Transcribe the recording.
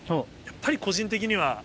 やっぱり個人的には。